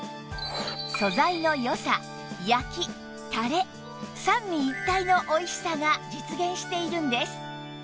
素材の良さ焼きたれ三位一体のおいしさが実現しているんです